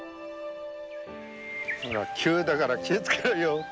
急だから気いつけろよ。